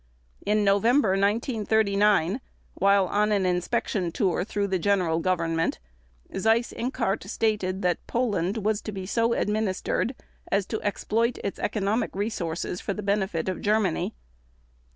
In November 1939, while on an inspection tour through the General Government, Seyss Inquart stated that Poland was to be so administered as to exploit its economic resources for the benefit of Germany.